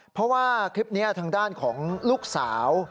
เพราะว่าคลิปนี้ทางด้านของลูกสาว